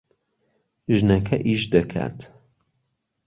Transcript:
ژنەکە ئیش دەکات.